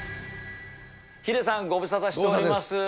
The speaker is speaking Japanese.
ヒデさん、ご無沙汰しております。